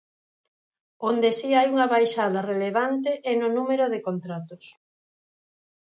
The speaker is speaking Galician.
Onde si hai unha baixada relevante é no número de contratos.